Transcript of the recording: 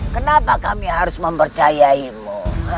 kenapa kami harus mempercayainmu